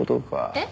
えっ？